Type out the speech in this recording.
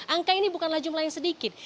angka ini bukanlah jumlah yang sedikit